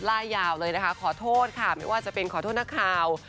ลาอยาวขอโทษไม่ว่าจะเป็นน้องน้ำฝน